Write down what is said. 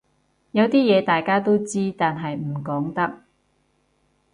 有啲嘢大家都知但係唔講得